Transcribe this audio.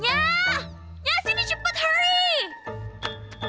nyah nyah sini cepet cepet